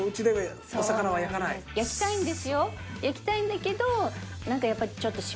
焼きたいんだけど。